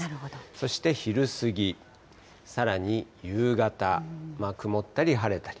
そして昼過ぎ、さらに夕方、曇ったり晴れたり。